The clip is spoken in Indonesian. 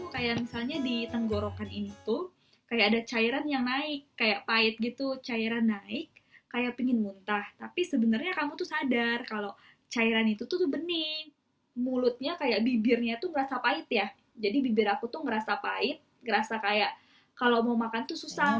kayak misalnya di tenggorokan itu kayak ada cairan yang naik kayak pahit gitu cairan naik kayak pingin muntah tapi sebenarnya kamu tuh sadar kalau cairan itu tuh bening mulutnya kayak bibirnya tuh ngerasa pahit ya jadi bibir aku tuh ngerasa pahit ngerasa kayak kalau mau makan tuh susah